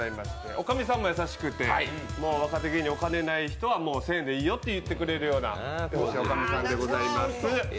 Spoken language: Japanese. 女将さんも優しくて、若手芸人、お金がない人は１０００円でいいよと言ってくれる、優しい女将さんでございます。